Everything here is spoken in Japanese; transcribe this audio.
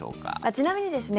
ちなみにですね